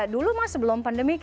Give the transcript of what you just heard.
dulu mah sebelum pandemi